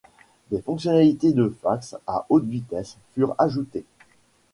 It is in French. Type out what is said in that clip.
Des fonctionnalités de fax à haute vitesse furent ajoutées.